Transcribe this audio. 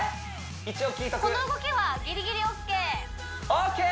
一応聞いとくこの動きはギリギリＯＫＯＫ！